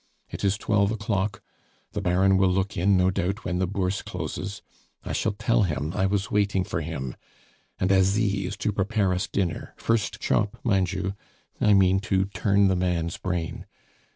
It is twelve o'clock; the Baron will look in, no doubt, when the Bourse closes; I shall tell him I was waiting for him, and Asie is to prepare us dinner, first chop, mind you; I mean to turn the man's brain.